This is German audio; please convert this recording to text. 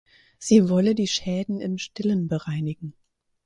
Sie wolle die Schäden im Stillen bereinigen.